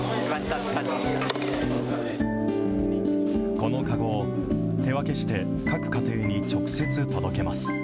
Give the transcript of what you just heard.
この籠を、手分けして、各家庭に直接届けます。